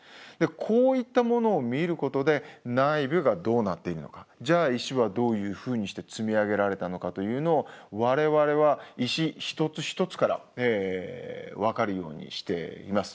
こういったものを見ることで内部がどうなっているのかじゃあ石はどういうふうにして積み上げられたのかというのを我々は石一つ一つから分かるようにしています。